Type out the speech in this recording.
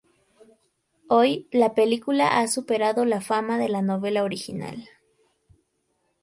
Hoy, la película ha superado la fama de la novela original.